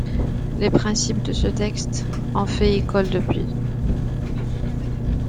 Les principes de ce texte ont fait école depuis.